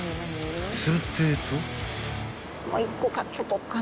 ［するってぇと］